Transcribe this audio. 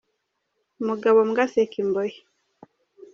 Umugabo mbwa aseka imbohe.